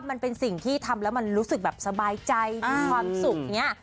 มันเป็นสิ่งที่ทำแล้วมันรู้สึกแบบสบายใจมีความสุขอย่างนี้